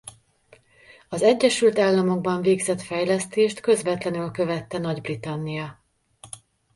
Az Egyesült Államokban végzett fejlesztést közvetlenül követte Nagy-Britannia.